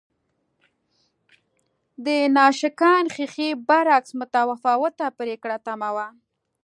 د ناشکن ښیښې برعکس متفاوته پرېکړه تمه وه